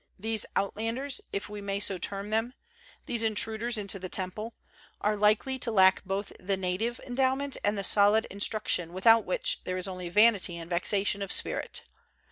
These out landers, if we may so term them, these intruders into the temple, are likely to lack both the native endowment and the solid instruction without which there is only vanity and vexation of spirit.